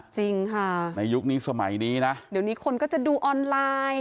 จริงค่ะในยุคนี้สมัยนี้นะเดี๋ยวนี้คนก็จะดูออนไลน์